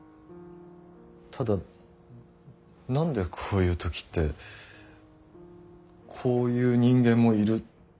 ただ何でこういう時って「こういう人間もいる」